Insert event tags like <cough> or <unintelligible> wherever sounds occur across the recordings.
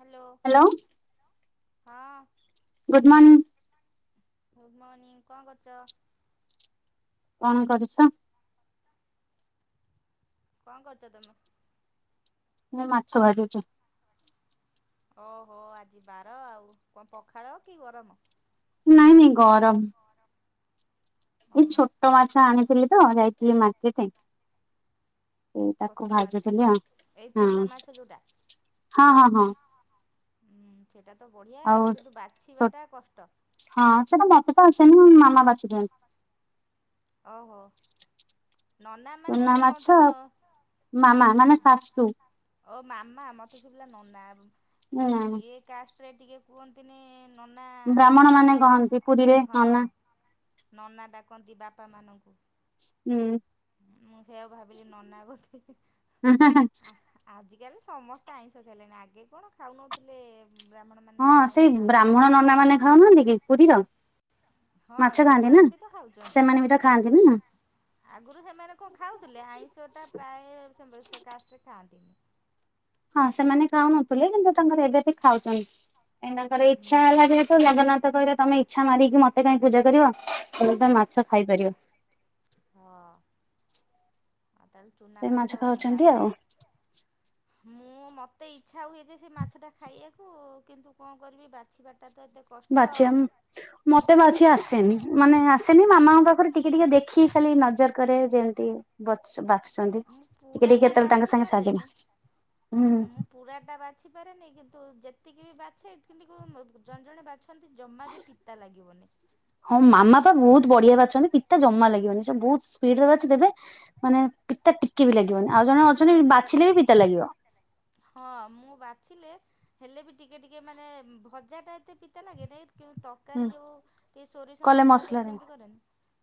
Hello. Hello. ହଁ। Good morning. Good morning କଣ କରୁଚ? କଣ କରୁଛ? କଣ କରୁଚ ତମେ? ମୁଁ ମାଛ ଭାଜୁଛି। ଓହୋ ଆଜି ବାର ଆଉ କଣ ପଖାଳ କି ଗରମ? ନାଇଁ, ନାଇଁ ଗରମ। ଗରମ। ମୁଁ ଛୋଟ ମାଛ ଆଣିଥିଲି ତ ଯାଇଥିଲି ମାର୍କେଟେ। ସେ ଛୋଟ ତାକୁ ମାଛ ଭାଜୁ ଥିଲି ଆ ଏଇ ହଁ, ଚୁନା ମାଛ ଯୋଉଟା ହଁ ହଁ ହଁ। ହୁଁ ସେଇଟା ତ ବଢ଼ିଆ ଆଉ କିନ୍ତୁ ଛୋ ବାଛିବାଟା କଷ୍ଟ। ହଁ ସେଟା ମତେ ତ ଆସେନି ମୋ ମାମା ବାଛି ଦିଅନ୍ତି। ଓହୋ, ନନା ମାନେ ଚୁନା କଣ ମାଛ ତମ ମାମା ମାନେ ଶାଶୁ। ଓ ମାମା ମୋତେ ଶୁଭିଲା ନନା ବମ୍ ଯୋଉ ହୁଁ ଇଏ କାଷ୍ଟରେ ଟିକେ କୁହନ୍ତିନି ନାନା ବ୍ରାହ୍ମଣ ମାନେ ହ କହନ୍ତି ପୁରୀରେ ହଁ, ନନା ହଁ। ନନା ଡାକନ୍ତି ବାପା ମାନଙ୍କୁ। ଉଁ। ହୁଁ ମୁଁ ସେଇଆ ଭାବିଲି ନନା ବୋଧେ, ଆଃ ହା ଆଜିକାଲି ସମସ୍ତେ ଆଇଁଷ ଖାଇଲେଣି ଆଗେ କଣ ଖାଉନଥିଲେ ବ୍ରାହ୍ମଣ ମାନେ ଯାହା ହଁ ହେଲେ ସେଇ ଆଇଁଷ ବ୍ରାହ୍ମଣ ଖାଉନଥିଲେ। ନନା ମାନେ ଖାଉନାହାନ୍ତି କି ପୁରୀର ହଁ ମାଛ ଖାଆନ୍ତି ନା ସେମାନେ ବି ତ ଖାଉଛନ୍ତି। ସେମାନେ ବି ତ ଖାଆନ୍ତିନି ନା। ଆଗରୁ ସେମାନେ କଣ ଖାଉଥିଲେ ଆଇଁଷଟା ପ୍ରାୟ <unintelligible> କାଷ୍ଟରେ ଖାଆନ୍ତିନି। ହଁ ସେମାନେ ଖାଉନଥିଲେ କିନ୍ତୁ ତାଙ୍କର ଏବେ ବି ଖାଉଛନ୍ତି ଏଇନେ ଲତାଙ୍କର ଇଚ୍ଛା ହୁଁ। ହେଲା ଯେ <unintelligible> ତ ଜଗନ୍ନାଥ କହିଲେ ତମେ ଇଚ୍ଛା ମାରିକି ମତେ କାଇଁ ପୂଜା କରିବ ତେଣୁ, ତମେ ମାଛ ଖାଇପାରିବ। ହଁ, ଆ ତାହେଲେ ଚୁନା ସେ ମାଛ ବା ଖାଉଛନ୍ତି ଆଉ ମୁଁ ମତେ ଇଚ୍ଛା ହୁଏ ଯେ ସେ ମାଛ ଟା ଖାଇବାକୁ କିନ୍ତୁ କଣ କରିବି ବାଛିବା ବାଛିବା ମତେ ବାଛି ଆସେନି ମାନେ ଆସେନି ମାମାଙ୍କ ପାଖରେ ଟିକେ ଟିକେ ଦେଖି ଖାଲି ନଜର କରେ ଯେମିତି ବଛ ବାଛୁଛନ୍ତି ମୁଁ ଟିକେ ଟିକେ ପୁରାଟା କେତେବେଳେ ତାଙ୍କ ବାଛି ସାଙ୍ଗେ ସାହାଯ୍ୟ ପାରେନି ହୁଁ ମୁଁ ପୁରାଟା ବା ବାଛିପାରେନି କିନ୍ତୁ ଯେତିକି ବି ବାଛେ କିନ୍ତୁ ଜଣେ ଜଣେ ବାଛଛନ୍ତି ଜମା ବି ପିତା ଲାଗିବନି। ହଁ ମାମା ତ ବହୁତ ବଢ଼ିଆ ବାଛନ୍ତି ପିତା ଜମା ଲାଗିବନି ସ ବହୁତ ସ୍ପିଡ ରେ ବାଛି ଦେବେ। ମାନେ ପିତା ଟିକେ ବି ଲାଗିବନି ଆଉ ଜଣେ ଅଛନ୍ତି ବାଛିଲେ ବି ପିତା ଲାଗିବ। ହଁ ମୁଁ ବାଛିଲେ ହେଲେ ବି ଟିକେ ଟିକେ ମାନେ ଭଜା ଟା ଏତେ ପିତା ଲାଗେନାହିଁ କିନ୍ତୁ ହୁଁ ତରକାରୀ ଯେଉଁ ଟିକେ ସୋରିଷ କଲେ ମସଲା ଦେଇକି ମସଲାରେ ଯେମିତି କରେନି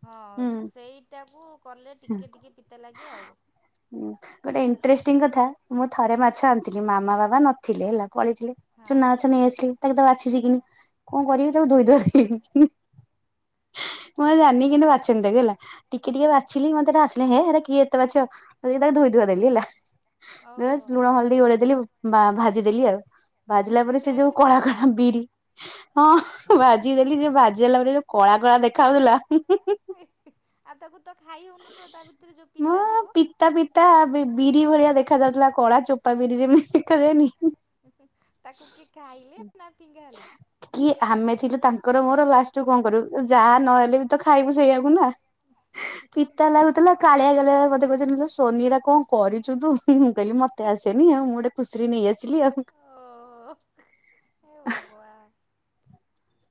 ହଁ ସେଇଟାକୁ କଲେ ହୁଁ ଟିକିଏ ଟିକିଏ ପିତା ଲାଗେ ଆଉ। ହୁଁ ଗୋଟେ ହଁ ଇଣ୍ଟରେଷ୍ଟିଂ କଥା। ମୁଁ ଥରେ ମାଛ ହଁ। ଆଣିଥିଲି ମାମା ବାବା ନଥିଲେ ହଉ ହେଲା ପଲେଇଥିଲେ ହଉ। ଚୁନା ମାଛ ନେଇ ଆସିଲି। ତାକୁ ତା ବାଛିଛି କିିନି କଣ କରିବି ତାକୁ ଧୋଇ ଧୋଇ <unintelligible> ମୁଁ ଆଉ ଜାନିନି କିନ୍ତି ବାଛନ୍ତି ତାକୁ ହେଲା ଟିକେ ଟିକେ ବାଛି ମତେ ଏଇଟା ଆସେନି ହେଁ ହେରେ କିଏ ଏତେ ବାଛିବ କାହିକି ତାକୁ ଧୋଇ ଧୁଆ ଦେଲି ହେଲା। ଲୁଣ, ହଳଦୀ ଗୋଳେଇଦେଲି ବା ଭା ଭାଜିଦେଲି ଆଉ ଭାଜିଲା ପରେ ସେ ଯୋଉ ସେମିତି କଳା ଭାଜିଦେଲ କଳା ବିରି ହଁ ଭାଜି ଦେଲି ଯେ ଭାଜି ଦେଲା ପରେ ଯୋଉ କଳା କଳା ଦେଖ ଯାଉଥିଲା। ଆଉ ତାକୁ ତ ଖାଇ ହଉନଥିବ ତା ଭିତରେ ଯୋଉ ମ ପିତା ଥିବ। ପିତା ପିତା ବିରି ଭଳିଆ ଦେଖା ଯାଉଥିଲା କଳା ଚୋପା ବିରି ଯେମିତି ଦେଖାଯାଏନି। ତାକୁ କିଏ ଖାଇଲେ ନା ପିଙ୍ଗା ହେଲା? କିଏ ଆମେ ଥିଲୁ ତାଙ୍କର ମୋର ଲାଷ୍ଟୁକୁ କଣ କରିବୁ ଯାହା ନହେଲେ ବି ତ ଖାଇବୁ ସେଇଆକୁ ନା। ପିତା ଲାଗୁଥିଲା। କାଳିଆ କାଳିଆ ମତେ କହୁଛନ୍ତି ସୋନି ଏରା କଣ କରିଛୁ ତୁ ମୁଁ କହିଲି ମତେ ଆସେନି ଆଉ ମୁଁ ଖୁସିରେ ନେଇ ଆସିଲି ଆଉ। ଓ ହେ ଭଗବାନ।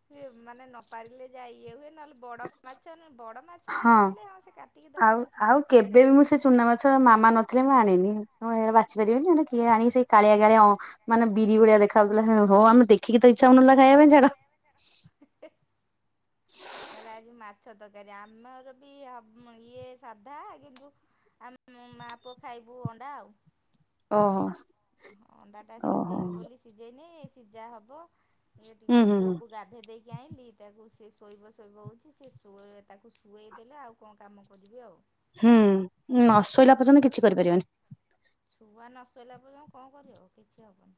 ହୁଏ ମାନେ ନପାରିଲେ ଯା ଇଏ ହୁଏ ନହେଲେ ବଡ ମାଛ ବଡ ମାଛ ନେଇ ଆସିଲେ ହଁ ସେ କାଟିକି ଦବ କିଛି ନାହିଁ। ଏବେ ବି ମୁଁ ସେ ଚୁନା ମାଛ ମାମା ନଥିଲେ ମୁଁ ଆଣିନି ମୁଁ ବାଛିପାରିବିନି କିଏ ଆଣ ସେ। କାଳିଆ କାଳିଆ ମାନେ ବିରି ଭଳିଆ ଦେଖାାଉଥିଲା ହଉ ଆମେ ଦେଖିକି ତ ଇଚ୍ଛା ହଉନଥିଲା ଖାଇବା ପାଇଁଛାଡ। ତାହେଲେ ଆଜି ମାଛ। ଛତକାରୀ ଆମର ବି ଇଏ ସାଧା କିନ୍ତୁ ଆମ ମାଆ ପୁଅ ଖାଇବୁ ଅଣ୍ଡା ଆଉ। ଓ ଅଣ୍ଡା ଟା ସିଝେଇବି ବୋଲି ସିଝେଇନି ସିଝା ହବ ଇଏ ହୁଁ ଟିକେ ହୁଁ ପୁଅକୁ ଗାଧୋଇ ଦେଇକି ଆଣିଲି ତାକୁ ସେ ଶୋଇବ ଶୋଇବ ହେଉଛି ସେ ଶୋଇ ତାକୁ ଶୁଆଇଦେଲେ ଆଉ କଣ କାମ କରିବି ଆଉ। ହୁଁ ନ ଶୋଇଲା ପର୍ଯ୍ୟନ୍ତ କିଛି କରିପାରିବନି। ଛୁଆ ନ ଶୋଇଲା ପର୍ଯ୍ୟନ୍ତ କଣ କରିବ କିଛି ହେବନି।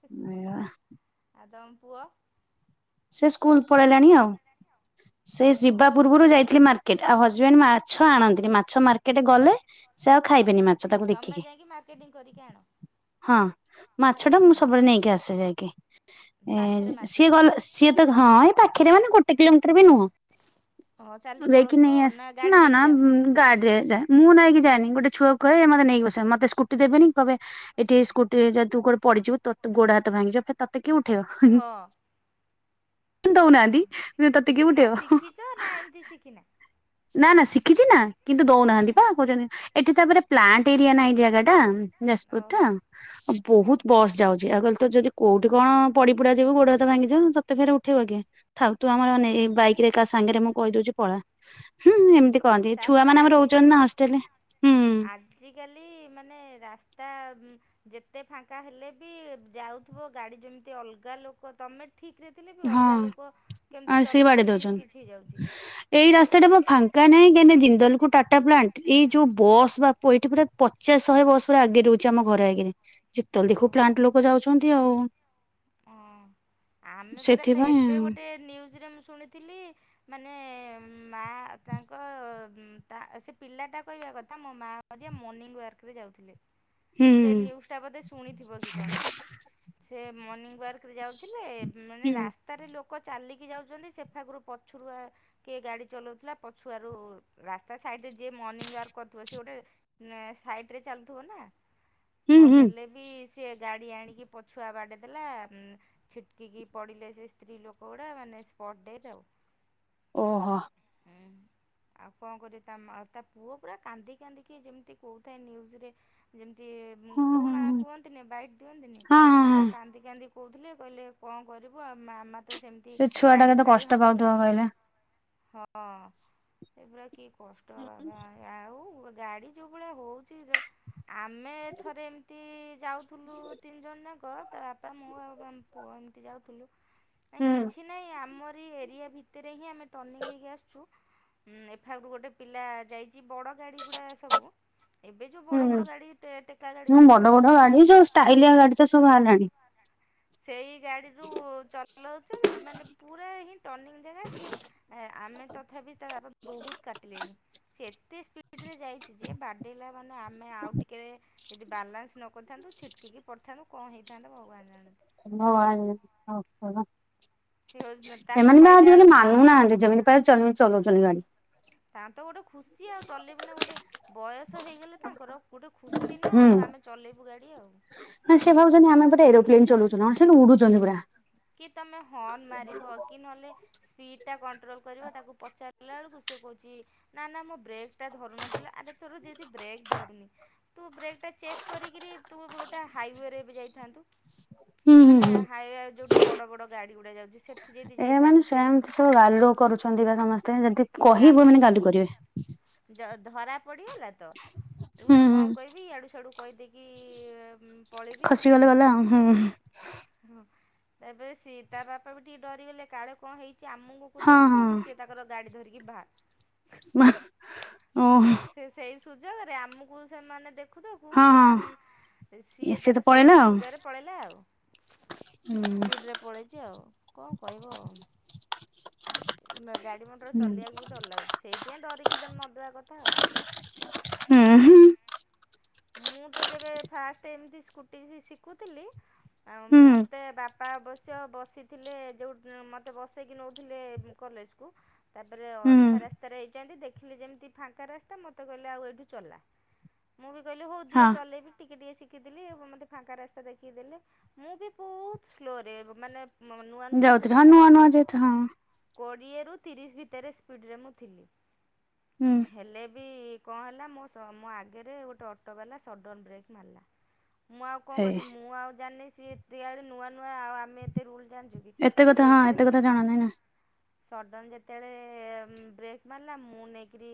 ଆ ଆ ତମ ପୁଅ? ସେ ସ୍କୁଲ ପଳେଇଲାଣି ଆଉ ସେ ଓହୋ। ଯିବା ପୂର୍ବରୁ ଯାଇଥିଲି ମା ଆଉ ହଜବେଣ୍ଡ ମାଛ ଆଣନ୍ତିନି ମାଛ ମାର୍କେଟ ଗଲେ ସେ ଆଉ ଖାଇବେନି ମାଛ। ତାକୁ ତମେ ଦେଖିକି ଯାଇକି ମାର୍କେଟିଂ କରିକି ଆଣ। ହଁ ମାଛ ଟା ମୁଁ ସବୁବେଳେ ନେଇକି ଆସେ ଆସେ। ପାଖରେ ମାର୍କେଟ ସିଏ ଗଲେ ସିଏ ତ ହଁ ଏଇ ପାଖରେ ମାନେ ଗୋଟେ କିଲୋମିଟର ବି ନୁହଁ। ହଁ ଚାଲିକି ଦେକି ପଳଉଥିବ ନେଇ ଆ ଗାଡ଼ି ନା ନେଇକି ନା ଯାଅ ଗାଡ଼ି ଯାଏ ମୁଁ ନେଇକି ଯାଏନି ଗୋଟେ ଛୁଆ କୁ କହେ ମତେ ନେଇକି ବସ ମତେ ସ୍କୁଟି ଦେବେନି କହେ ଏଠି ସ୍କୁଟିରେ କୋଡେ ପଡିଯିବୁ ତୋ ଗୋଡ ହାତ ଭାଙ୍ଗିଯିବ ତତେ କିଏ ଉଠେଇବ। ହଁ। ଦଉ ହଁ ନାହାଁନ୍ତି ତତେ କିଏ ଉଠେଇବ। ତି ଶିକିନା। ନା ନା ଶିଖିଛି ନା କିନ୍ତୁ ଦଉ ନାହାଁନ୍ତି ହୁଁ। ପା କହୁଛନ୍ତି ଏଠି ତାପରେ ପ୍ଲାଣ୍ଟ ଏରିଆ ନା ଏଇ ଜାଗା ଟା ଯାଜପୁର ଓହୋ ଟା। ବହୁତ୍ ବସ୍ ଯାଉଛି ଆଉ କହିଲି ତୁ ଯଦି କୋଉଠି କଣ ପଡି ପୁଡା ଯିବୁ ଗୋଡହାତ ଭାଙ୍ଗିିଜିବ ତ ତତେ ଫେରେ ଉଠେଇିବ କିଏ ଥାଉ ତୁ ଆମର ଓ ନେ ଏ ବାଇକିରେ କାହା ସାଙ୍ଗେରେ ମୁଁ କହିଦଉଛି ପଳା। ହୁଁ ହୁଁ ଏମିତି କହନ୍ତି ଛୁଆ ତାପରେ ମାନ ଆମର ରହୁଛନ୍ତି ନା ଆଜିକାଲି ହଷ୍ଟେଲରେ ହୁଁ। ଆଜିକାଲି ମାନେ ରାସ୍ତା ଉଁ। ଯେତେ ଫାଙ୍କା ହେଲେ ବି ଯାଉଥିବ ଗାଡି ଯେମିତି ଅଲଗା ଲୋକ ତମେ ଠିକ୍ ରେ ଥିଲେ ବି ଅଲଗା ହଁ ଲୋକ କେମିତି ଆଉ ସିଏ ବାଡେଇ ଚଲଉଛନ୍ତି ଦଉଛନ୍ତି କିଛି ହେଇଯାଉଛି। ଏଇ ରାସ୍ତା ଟା ପା ଫାଙ୍କା ନାହିଁ କାହିଁକିନା ଜିନ୍ଦଲକୁ ଟାଟା ପ୍ଲାଣ୍ଟ ଏଇ ଯୋଉ ବସ୍ ବାପ ଏଠି ପୁରା ପଚାଶ ଶହେ ବସ୍ ପୁରା ଆଗେରେ ରହୁଛି ଆମ ଘରେ ଆଗରେ ଯେତବେଳେ ଦେଖିବୁ ପ୍ଲାଣ୍ଟ ଲୋକ ଯାଉଛନ୍ତି। ତି ଆଉ। ଅଁ ଆମେ ପରା ସେଥିପାଇଁ ଏବେ ଗୋଟେ ନ୍ୟୁଜ୍ ରେ ମୁଁ ଶୁଣିଥିଲି ମାନେ ମା ତାଙ୍କ ଉଁ ତା ସେ ପିଲାଟା କହିବା କଥା ମୋ ମା ହରିଆ ମନିଙ୍ଗ୍ ୱାର୍କରେ ଯାଉଥିଲେ ହୁଁ ସେ ନ୍ୟୁଜ୍ ଟା ବୋଧେ ଶୁଣିଥିବ କି କଣ? ସେ ମର୍ଣ୍ଣିଂ ୱାର୍କରେ ଯାଉଥିଲେ ମାନେ ହୁଁ। ରାସ୍ ତାରେ ଲୋକ ଚାଲିକି ଯାଉଛନ୍ତି ସେଫାଖରୁ ପଛୁରୁଆ କିଏ ଗାଡି ଚଲଉଥିଲା ପଛୁଆରୁ ରାସ୍ତା ସାଇଡରେ ଯିଏ ମର୍ଣ୍ଣିଂ ୱାର୍କ କରୁଥିବ ସିଏ ଗୋଟେ ନା ସାଇଟ୍ ରେ ଚାଲୁଥିବ ନା? ହୁଁ ପ ହୁଁ ହେଲେ ବି ସିଏ ଗାଡ଼ି ଆଣିକି ପଛୁଆ ବାଡ଼େଇ ଦେଲା ଉଁ ଛିଟ୍ କିକି ପଡ଼ିଲେ ସେ ସ୍ତ୍ରୀ ଲୋକ ଗୁଡ଼ା ମାନେ ସ୍ପଟ୍ ଡେଥ୍ ଆଉ। ଓହୋ। ଉଁ ହୁଁ। ଆଉ କଣ କରିବ ତା ମା ତା ପୁଅ ପୁରା କାନ୍ଦି କାନ୍ଦିକି ଯେମିତି କହୁଥାଏ ନ୍ୟୁଜ୍ ରେ। ଯେମିତି ଉଁ ହଁ ହଁ କୁଣା ହଁ କୁହନ୍ତିନି ବାଇଟ୍ ଦିଅନ୍ତିନି ହଁ ହଁ ପୁରା ହଁ କାନ୍ଦି କାନ୍ଦି କହୁଥିଲେ କହିଲେ କଣ କରିବୁ ଆଉ ମା ମା ତ ତ ସେମତି ସେ ଛୁଆ ଟା ଗାଡି କେତେ ଫାଡି କଷ୍ଟ ହଁଞ୍ଚ ନ କଷ୍ଟ ପାଉଥିବ କହିଲେ। ହଁ ସେଗୁରା କି କଷ୍ଟ ବାବା ଆ ଆଉ ଗାଡି ଯୋଉ ଭଳିଆ ହଉଛି ଯ ଆମେ ଥରେ ଏମତି ଯାଉଥୁଲୁ ତିନି ଜଣ ଯାକ। ତା ବାପା ମୁଁ ଆଉ ଆମ ପୁଅ ଏମିତି ଯାଉଥିଲୁ ନାଇଁ ହୁଁ କିଛି ନାହିଁ ଆମର ଏରିଆ ଭିତରେ ହିଁ ଆମେ ଟନିଙ୍ଗ୍ ହେଇକି ଆସୁଛୁ ହୁଁ ଏଫାଗୁ ଗୋଟେ ପିଲା ଯାଇଛି ବଡ଼ ଗାଡ଼ି ଗୁଡ଼ା ସବୁ ଏବେ ଯୋଉ ବଡ ହୁଁ ବଡ ଗାଡି ଟେ ଟେକା ଗାଡି ହଁ ସବୁ ବଡ ବଡ ଗାଡି ଚଲଉଛନ୍ତି। ସବୁ ଷ୍ଟାଇଲିଆ ଗାଡି ତ ସବୁ ଭାରିଲାଣି। <unintelligible> ସେଇ ଗାଡିରୁୁ ଚଲଉଛନ୍ତି ମାନେ ପୁରା ହିଁ ଟନିଙ୍ଗ୍ ଜାଗା ସିଏ ଆ ଆମେ ତଥାବି ତା ବାପ ବହୁତ୍ କାଟିଲେଣି। ସେ ଏତେ ସ୍ପିଡ୍ ରେ ଯାଇଛି ଯେ ବାଡେଇଲା ମାନେ ଆମେ ଆଉ ଟିକେ ଯଦି ବାଲାନ୍ସ୍ ନ କରିଥାନ୍ତୁ ଛିଟକିକି ପଡ଼ିଥାନ୍ତୁ କଣ ହେଇଥାନ୍ତା ଭଗବାନ ଜାଣନ୍ତି। ଭଗବାନ <unintelligible> ସେ ତାକୁ ଏମାନେ ବି ଆଉ କହିଲା ଆଜି କାଲି ବେଳକୁ ମାନୁ ନାହାଁନ୍ତି ଯେମିତି ପାରି ଚ ଚଲଉଛନ୍ତି ଗାଡି। ତାଙ୍କ ତ ଗୋଟେ ଖୁସି ଆଉ ଚଲେଇବୁ ନା ଗୋଟେ ବୟସ ହେଇଗଲେ ତାଙ୍କର ଗୋଟେ ଖୁସି ନା ଆଉ ଆମେ ଚଲେଇବୁ ଗାଡ଼ି ଆଉ। ନା ସେ ଭାବୁଛନ୍ତି ଆମେ ଗୋଟେ ଏରୋପ୍ଲେନ୍ ଚଲୁଛନ୍ତି ହଁ ସେ ତ ଉଡୁଛନ୍ତି ପୁରା। କି ତମେ ହଂର୍ଣ୍ଣ ମାରିବ କି ନହେଲେ ସ୍ପିଡ଼୍ ଟା କଣ୍ଟ୍ରୋଲ୍ କରିବ ତାକୁ ପଚାର ଗଲା ବେଳକୁ ସେ କହୁଛି ନା ନା ମୋ ବ୍ରେକ୍ ଟା ଧରୁନଥିଲା ଆରେ ତୋର ଯତି ବ୍ରେକ୍ ଧରୁନି ତୁ ବ୍ରେକ୍ ଟା ଚେକ୍ କରିକିରି ତୁ ବୁ ଗୋଟେ ହାଇୱେରେ ଏବେ ଯାଇଥାନ୍ତୁ। ହୁଁ ହୁଁ ମାନେ ହୁଁ ହାଇୱେ ଯୋଉଠି ବଡ ବଡ ଗାଡି ଗୁଡା ଯାଉଛି ସେ ଏ ମାନେ ସେମିତି ସବୁ ଗାଲୁ କରୁଛନ୍ତି ବା ସମସ୍ତେ ଯଦି କହିବୁ ଏମାନେ ଗାଲୁ କରିବେ। ଧରା ପଡିଗଲା ତ ହୁଁ ଏଗୁଡା ହୁଁ କଣ କହିବି ଇଆଡୁ ସିଆଡୁ କହିଦେଇକି ପଳେଇବି ଆଉ କହିଦେଲେ ଗଲା ହୁଁ ହୁଁ। ହଁ ତାପରେ ସିଏ ତା ବାପା ବି ଟିକେ ଡରିଗଲେ କାଳେ କଣ ହେଇଛି ଆମକୁ ପୁଅକୁ ହଁ ଦେଖୁ ଦେଖୁ ସିଏ ତାଙ୍କର ଗାଡି ଧରିକି ଭାଗ। ମା ଓ। ସେ ସେଇ ସୁଯୋଗରେ ଆମକୁ ସେମାନେ ଦେଖ ହଁ ଦେଖୁଦେଖୁ ହଁ ଆମ ସିଏ ତ ତାର ସେଇ ପଳେଇଲା ଆଉ ସୁଯୋଗରେ ପଳେଇଲା ଆଉ ହୁଁ ସ୍ପିଡ଼ରେ ପଳେଇଛି ଆଉ କଣ କହିବ ଆଉ ଗାଡି ମଟର ହୁଁ ଚଲେଇବାକୁ ବି ଡର ଲାଗୁଛି ସେଇଥିପାଇଁ ଡରିକି ନଦବା କଥା ଆଉ ହୁଁ ହୁଁ। ମୁଁ ତ ଯେବେ ଫାଷ୍ଟ ଏମିତି ସ୍କୁଟି ଶିଖୁଥିଲି ଆଉ ହୁଁ ମୋତେ ବାପା ଅବଶ୍ୟ ବସିଥିଲେ ଯେଉଁ ମୋତେ ବସେଇକି ନଉଥିଲେ। କଲେଜକୁ। ତାପରେ ହୁଁ ଅଧା ରାସ୍ତାରେ ହେଇଛନ୍ତି ଦେଖିଲି ଯେମିତି ଫାଙ୍କା ରାସ୍ତା ମୋତେ କହିଲେ ଆଉ ଏଇଠୁ ଚଲା। ମୁଁ ବି କହିଲି ହଉ ଦିଅ ହଁ ଚଲେଇବି ଟିକେ ଟିକେ ଶିଖ ଦେଖିଦେଲି ଏବଂ ମୋତେ ଫାଙ୍କା ରାସ୍ତା ଦେଖି ଦେଲେ ମୁଁ ବି ବହୁତ ସ୍ଲୋରେ ମାନେ ନୂଆଙ୍କୁ ଯାଉଥିଲି ଶିଖୁଥିଲି ହଁ ନା। ନୂଆ ନୂଆ ଯେହେତୁ ହଁ କୋଡ଼ିଏରୁ ତିରିଶ ଭିତରେ ସ୍ପିଡ଼ରେ ମୁଁ ଥିଲି ହୁଁ ହେଲେ ବି କଣ ହେଲା ମୋ ସହ ମୋ ଆଗରେ ଗୋଟେ ଅଟୋବାଲା ସଡ଼ନ ବ୍ରେକ୍ ମାରିଲା। ମୁଁ ଆଉ କଣ ହେଇ କରିବି ମୁଁ ଆଉ ଜାଣିନି ସିଏ ଏତେଳେ ନୂଆ ନୂଆ ଆଉ ଆମେ ଏତେ ରୁଲ ଜାଣିଛୁ କି? ଏତେ କଥା ହଁ ଏତେ କଥା ଜଣା ନାଇ ନା। ସଡ଼ନ ଯେତେବେଳେ ବ୍ରେକ୍ ମାରିଲା ମୁଁ ନେଇକରି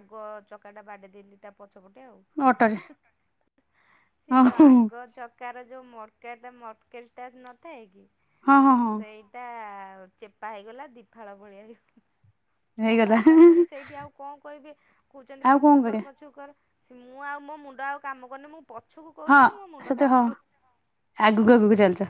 ଆଗ ଚକାଟା ବାଡେଇଦେଲି। ତା ପଛପଟେ ଆଉ ଅଟୋରେ ହଁ ହିଁ ସେ ହଁ ଯୋଉ ହଁ ଆଗ ଚ ଚକାର ଯୋଉ ମଡଗାଡ ମଡକେଲ ଟା ନଥାଏ କି? ହଁ ହଁ ହଁ। ଏଇଟା ଚେପା ହେଇଗଲା ଦିପାଳ ଭଳିଆ ହେଇଗଲା। ମୋ ହେଇଗଲା ବାପା ପୁଣି ସେଇଠି ଆଉ କଣ କହିବେ କହୁଛନ୍ତି ଆଉ କଣ ପଛୁକୁ କର କରିବା ପଛୁକୁ କର। ମୁଁ ଆଉ ମୋ ମୁଣ୍ଡ ଆଉ କାମ କରୁନି ମୁଁ ପ ପଛୁକୁ ହଁ କହୁଛନ୍ତି ମୋ ମୁଣ୍ଡ ସେତ କାମ ହଁ କରୁନି ଆଗକୁ ଆଗକୁ ଚାଲିଛ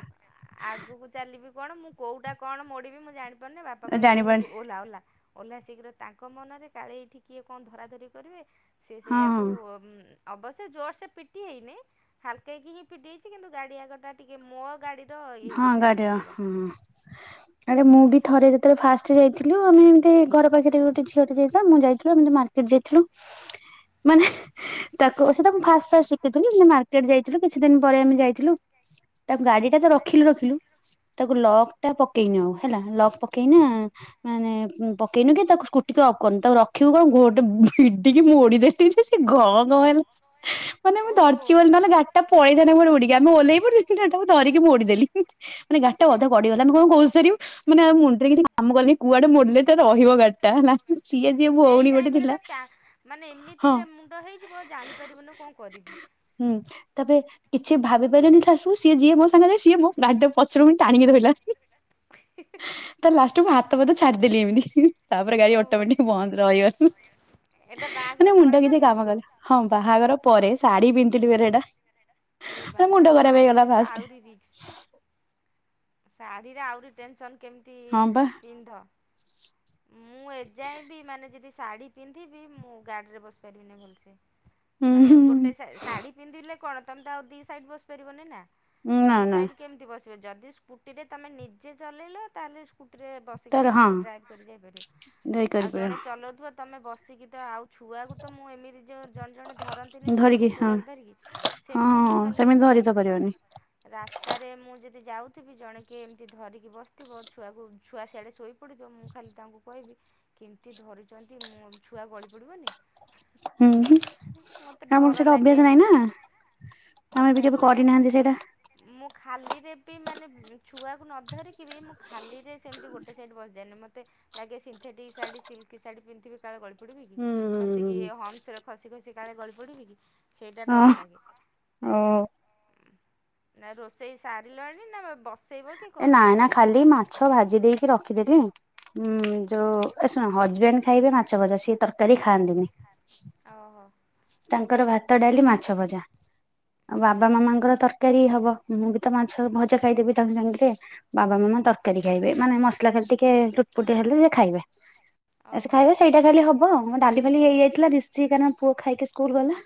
ଆଗକୁ ଚାଲିବି କଣ ମୁଁ କୋଉଟା କଣ ମୋଡ଼ିବି ମୁ ଜାଣିପାରୁନି ବାପା କହିଲେ ଉଠୁ ଜାଣିପାରୁନି ଓହ୍ଲା ଓହ୍ଲା। ଓହ୍ଲା ଶୀଘ୍ର ତାଙ୍କ ମନରେ କାଳେ ଏଇଠି କିଏ କଣ ଧରାଧରି କରିବେ ସେ ହଁ ହଁ ସେଇଆକୁ ଅବଶ୍ୟ ଜୋର ସେ ପିଟି ହେଇନି ହାଲକାକି ହିଁ ପିଟି ହେଛି କିନ୍ତୁ ଗାଡ଼ି ଆଗଟା ଟିକେ ମୋ ଗାଡ଼ି ର ଇଏ ହଁ ହେଇଥିଲା ଗାଡିର ସ୍କୁଟିର। ହଁ। ଆରେ ମୁଁ ବି ଥରେ ଯେତେବେଳେ ଫାଷ୍ଟ ଯାଇଥିଲୁ ଆମେ ଏମିତି ଘର ପାଖରେ ବି ଗୋଟେ ଝି ଟେ ଯାଇ ମୁଁ ଯାଇଥିଲୁ ଏମ ମାର୍କେଟ ଯାଇଥିଲୁ? ମାନେ ତାକୁ ସେ ମୁଁ ଫାଷ୍ଟ ଫାଷ୍ଟ ଶିଖିଥିଲି ସେ ମାର୍କେଟ ଯାଇଥିଲୁ କିଛି ଦିନ ପରେ ଆମେ ଯାଇଥିଲୁ। ତା ଗାଡି ଟା ତ ରଖିଲୁ ରଖିଲୁ ତାକୁ ଲକଟା ପକେଇନି ଆଉ ହେଲା ଲକ୍ ପକେଇନା ମାନେ ପକେଇନ କି ତାକୁ ସ୍କୁ ଟିକେ ଆଉ କହ ତାକୁ ରଖିବୁ କଣ ଗୋ ଗୋଟେ ଭଡିକି ମୋଡିଦେଲିି ସେ ଗଁ ଗଁ ହେଲା। ମାନେ ମୁଁ ଓହୋ। ଧରିଛି ବୋଲି ନହେଲେ ଗାଡିଟା ପଳେଇ ଥାନ୍ତା ଉଡିକି ଆମ ଓହ୍ଲେଇ ପଡିଥିଲୁ ଗାଡ଼ିଟା ଧରିକି ମୋଡି ଦେଲି। ଦେଲି ମାନେ ଗାଡିଟା ଅଧା ଗଡିଗଲା ଆମେ କଣ ଘୋଷାରିବୁ ମାନେ ଆଉ ମୁଣ୍ଡରେ କିଛି କାମ କଲିନି କୁଆଡେ ମୋଡିଲେ ତ ରହିବ ଗାଡିଟା ହେଲା। ସିଏ ଯିଏ ସେଇ ଭଉଣୀ ଗୋଟେ ଟାଇମରେ ଥିଲା ବା ମାନେ ହଁ ଏମିତିରେ ମୁଣ୍ଡ ହେଇଯିବ ଜାଣିପାରିବୁ ନା କଣ କରିବି? ହୁଁ ତାପରେ କିଛି ଭାବି ପାରିଲିନି ଖାସବୁ ସିଏ ଯିଏ ମୋ ସାଙ୍ଗେ ଯାଇ ସିଏ ମୋ ଗାଡିର ପଛକୁ ଟାଣିକି ରହିଲା। ତା ଲାଷ୍ଟ ମୁଁ ହାତ ଫାତ ଛାଡିଦେଲି ଏମିତି ତାପରେ ଗାଡି ଓହୋ ଅଟୋମେଟିକ ବନ୍ଦ ରହିଗନ। ଏଇଟା ବାହାଘର ମାନେ ପରେ ମୁଣ୍ଡଟା ନା କିଛି କାମ ପୂର୍ବରୁ? କଲେ ହଁ ବାହାଘର ପରେ ଶାଢୀ ପିନ୍ଧିଥିଲିଏଟା ଏ ବାବା ସାଢ଼ିରେ ତ ଆରି ରିକ୍ସ ଶାଢ଼ୀରେ ଆହୁରି ଟେନସନ୍ କେମିତି ହଁ ବା ପିନ୍ଧ। ମୁଁ ଏଯାଏବି ମାନେ ଯଦି ଶାଢ଼ୀ ପିନ୍ଧିବି। ମୁଁ ଗାଡ଼ିରେ ବସିପାରିବିନି ଭଲସେ। ହୁଁ ମାନେ ଗୋଟେ ହୁଁ ଶାଢୀ ପିନ୍ଧିଲେ କଣ ତମେ ତ ଆଉ ଦି ସାଇଡ୍ ବସି ପାରିବନି ନା। ନା ଦି ନା ସାଇଡ କେମିତି ବସିବ ଯଦି ସ୍କୁଟି ରେ ତମେ ନିଜେ ଚଲେଇଲ ତାହେଲେ ସ୍କୁଟିରେ ବସିକି ତାର ତୁମେ ହଁ ଡ୍ରାଇଭ୍ କରି ଯାଇପାରିବ। ଧରି ଆଉ କରିପାରିବ ଜଣେ ଚଲଉଥିବ ତୁମେ ବସିକି ତ ଆଉ ଛୁଆକୁ ତ ମୁଁ ଏମିତି ଯେଁ ଜଣେ ଜଣେ ଧରନ୍ତିନି ଛୁଆକୁ ଧରିକି ହଁ କୋଳରେ ଧରିକି ହଁ ସେମିତି ମୁଁ ହଁ ଖାଲି ସେମିତି ଧରି ତ ପାରିବନି ରାସ୍ତାରେ ମୁଁ ଯଦି ଯାଉଥିବି ଜଣେ କିଏ ଏମିତି ଧରିକି ବସିଥିବ ଛୁଆକୁ ଛୁଆ ସିଆଡ଼େ ଶୋଇପଡ଼ିଥିବ। ମୁଁ ଖାଲି ତାଙ୍କୁ କହିବି କେମିତି ଧରିଛନ୍ତି ମୋ ଛୁଆ ଗଳି ପଡ଼ିବନି। ହୁଁ ମତେ ଆମର ଡର ସେଇଟା ଲାଗେ ଅଭ୍ୟାସ ନାହିଁ ଏମତି ନା ଆମେ ବି ଅଭ୍ୟାସ କେବେ କରିନାହାନ୍ତି ସେଇଟା। ଲାଗେ। ମୁଁ ଖାଲିରେ ବି ମାନେ ଛୁଆକୁ ନ ଧରିକି ବି ମୁଁ ଖାଲିରେ ସେମିତି ଗୋଟେ ସାଇଡ଼୍ ବସିଯାଏନି। ମତେ ମତେ ଲାଗେ ସିନ୍ଥେଟିକ ଶାଢୀ ସିଲ୍କ ଶଢୀ ପିନ୍ଧିବି କାଳେ ଗଳି ପଡିବି କି? ଖସିକି ଏ ହମସ ରେ ଖସି ଖସି କାଳେ ଗଳି ପଡିବିଔ କି ସେଇଟା ହଁ ଡର ଲାଗେ। ଓ ନା ରୋଷେଇ ସାରିଲାଣି ନା ବସେଇ ବସ ଏ ନାଇଁ ନା ଖାଲି ମାଛ ଭାଜି ଦେଇକି ରଖିଦେଲି। ଉଁ ଯୋଉ ଏ ଶୁଣ ହଜବେଣ୍ଡ ଖାଇବେ ମାଛ ଭଜା ସି ତରକାରୀ ଖାଆନ୍ତିନି। ଓହୋ। ତାଙ୍କର ଭାତ ଡାଲି ମାଛ ଭଜା ଆଉ ହୁଁ ବାବା ମାମାଙ୍କର ତରକାରୀ ହବ। ମୁଁ ବି ତ ମାଛ ଭଜା ଖାଇଦେବି ତାଙ୍କେ ସାଙ୍ଗରେ ବାବା ମାମା ତରକାରୀ ଖାଇବେ ମାନେ ମସଲା ଖାଲେ ଟିକେ ଚୁଟପୁଟି ହେଲେ ସେ ଖାଇବେ। ଆ ଓହୋ ଖାଇବା ସେଇଟା ଖାଲି ହବ ଆ ଡାଲି ଭାଲି ହେଇଯାଇଥିଲା ଦଶ କା ପୁଅ ଖାଇକି ସ୍କୁଲ ଗଲା।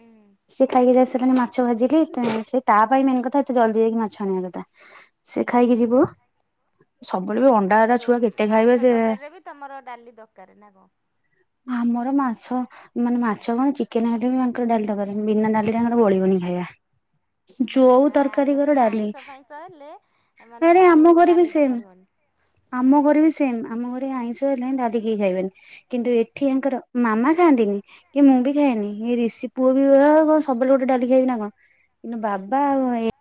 ଉଁ ସେଏ ଖାଇକି ଯ ଆସାରିଲାଣି ମାଛ ଭାଜିଲି ତ ସେ ତା ପାଇଁ ମେନ୍ କଥା ଏତେ ଜଲ୍ଦି ଯାଇକି ମାଛ ଆଣିବା କଥା ସେ ଖାଇକି ଯିବୁ। ଆାଇ ଆଉ ଯୋଉ ଛୁଆ କେତେ ଖାଇବେ ମାଛ ସେ ତରକାରୀରେ ବି ତମର ଡାଲି ଦରକାର ନା କଣ? ଆମର ମାଛ ମାନେ ମାଛ କଣ ଚିକେନ ହେଲେବି ଆଙ୍କର ଡାଲି ଦରକାର ବିନା ଡାଲିରେ ତାଙ୍କର ଗଳିବନି ଖାଇବା। ହୁଁ ହୁଁ ଯୋଉ ତରକାରୀ ଆମର କର ଟିକେ ଡାଲି ଆଇଁଷ ଫାଇଁଷ ହେଲେ ମାନେ ଆରେ ଆଉ ଆମ ଘରେବି ଡାଲି ସେମ। ଦରକାର ହୁଏନି। ଆମ ଘରେ ବି ସେମ ଆମ ଘରେ ଆଇଁଷ ହେଲେ ଡାଲି କେହି ଖାଇବେନି। କିନ୍ତୁ ଏଠି ଆଙ୍କର ମାମା ଖାଆନ୍ତିନି। କି ମୁଁ ବି ଖାଏନି ହୁଁ ଏଇ ଋଷି ପୁଅ ବି କଣ ସବୁବେଳେ ଗୋଟେ ଡାଲି ଖାଇବି ନା କଣ? ବାବା ହୁଁ। ଆଉ ଏ